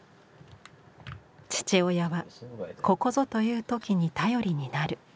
父親はここぞという時に頼りになる。